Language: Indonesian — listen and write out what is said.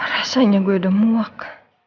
rasanya gue udah muak